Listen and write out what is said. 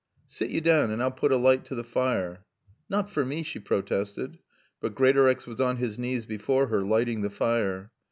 "Sit yo' down and I'll putt a light to the fire." "Not for me," she protested. But Greatorex was on his knees before her, lighting the fire.